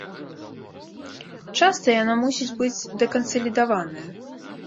Часта яна мусіць быць дэкансалідаваная.